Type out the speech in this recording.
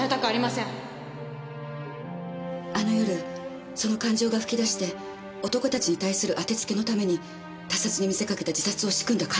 あの夜その感情が吹き出して男たちに対する当てつけのために他殺に見せかけた自殺を仕組んだ可能性があります。